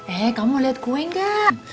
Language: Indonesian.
eh kamu liat kue gak